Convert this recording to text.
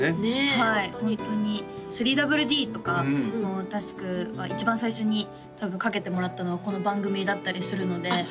はいホントに「３ＷＤ」とかＴａｓｋは一番最初に多分かけてもらったのはこの番組だったりするのであっ